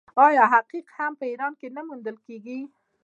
آیا عقیق هم په ایران کې نه موندل کیږي؟